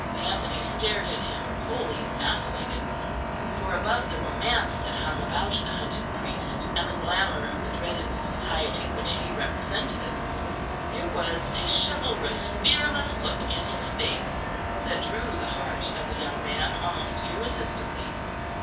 Anthony stared at him, wholly fascinated; for above the romance that hung about the hunted priest and the glamour of the dreaded Society which he represented, there was a chivalrous fearless look in his face that drew the heart of the young man almost irresistibly.